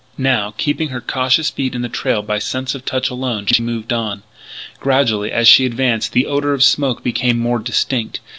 Now, keeping her cautious feet in the trail by sense of touch alone, she moved on. Gradually, as she advanced, the odour of smoke became more distinct.